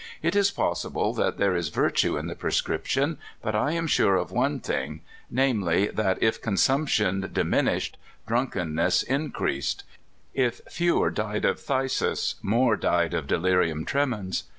It is possible that there is virtue in the prescription, but I am sure of one thing, namely, that if consumption diminished, drunkenness increased ; if fewer died of phthisis, more died of delirium tremens.